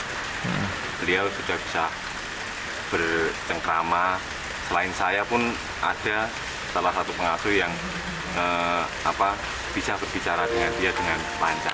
beliau sudah bisa bercengkrama selain saya pun ada salah satu pengasuh yang bisa berbicara dengan dia dengan lancar